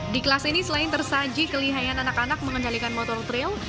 di kelas ini selain tersaji kelihayan anak anak mengendalikan motor trail